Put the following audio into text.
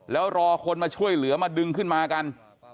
แล้วรอคนมาช่วยเหลือมาดึงขึ้นมากัน